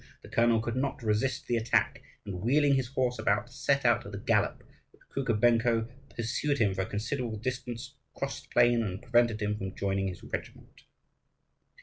The colonel could not resist the attack, and, wheeling his horse about, set out at a gallop; but Kukubenko pursued him for a considerable distance cross the plain and prevented him from joining his regiment.